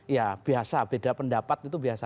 ya biasa beda pendapat itu biasa